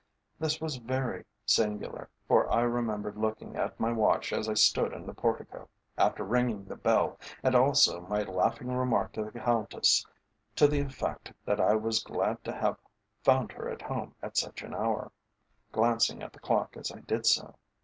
This was very singular, for I remembered looking at my watch as I stood in the portico, after ringing the bell, and also my laughing remark to the Countess to the effect that I was glad to have found her at home at such an hour, glancing at the clock as I did so.